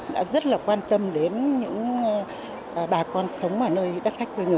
đã rất là quan tâm đến những bà con sống ở nơi đất cách quê ngựa